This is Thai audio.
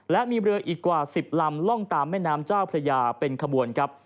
และมีเรืออีกกว่า๑๐ลำล่องตามแม่น้ำเจ้าพระยาเป็นขบวนครับ